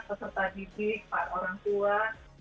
peserta didik para orang tua